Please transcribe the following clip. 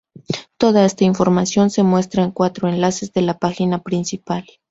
Toda esta información se muestra en cuatro enlaces en la página principal.